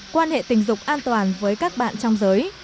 quan hệ tình dục an toàn với các bạn trong giới